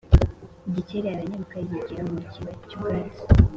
Gikeli aranyaruka yigira mu kiba cy’ubwatsi.